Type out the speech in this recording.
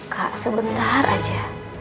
kak sebentar aja